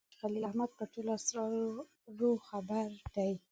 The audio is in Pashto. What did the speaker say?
خو دا یقیني نه وه چې خلیل احمد په ټولو اسرارو خبر دی.